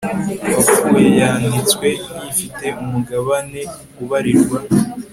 wapfuye yanditswe nk ifite umugabane ubarirwa